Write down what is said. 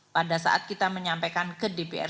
pada saat kita menyampaikan ke dpr